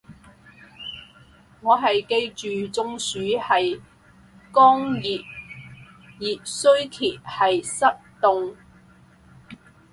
我係記住中暑係乾熱，熱衰竭係濕凍